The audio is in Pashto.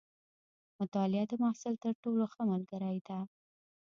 مطالعه د محصل تر ټولو ښه ملګرې ده.